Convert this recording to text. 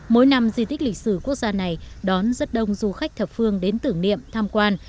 mỗi năm di tích lịch sử quốc gia này đón rất đông du khách thập phương đến tưởng niệm tham quan